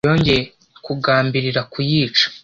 yongeye kugambirira kuyica